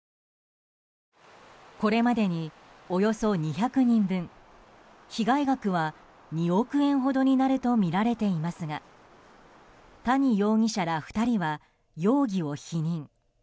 これまでに、およそ２００人分被害額は２億円ほどになるとみられていますが谷容疑者ら２人は容疑を否認。